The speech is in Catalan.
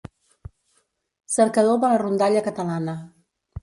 Cercador de la rondalla catalana.